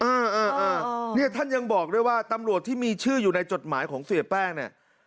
เอออ่าเนี่ยท่านยังบอกด้วยว่าตำรวจที่มีชื่ออยู่ในจดหมายของเสียแป้งเนี่ย